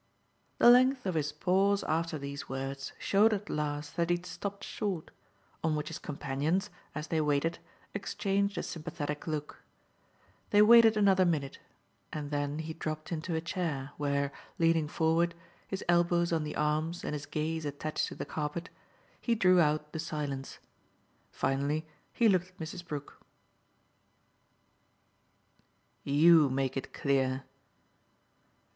The length of his pause after these words showed at last that he had stopped short; on which his companions, as they waited, exchanged a sympathetic look. They waited another minute, and then he dropped into a chair where, leaning forward, his elbows on the arms and his gaze attached to the carpet, he drew out the silence. Finally he looked at Mrs. Brook. "YOU make it clear."